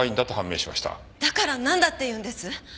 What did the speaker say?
だからなんだっていうんです？